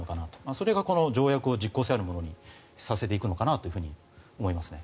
それがこの条約を実効性のあるものにさせていくのかなという気がしますね。